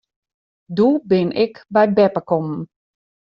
Doe bin ik by beppe kommen.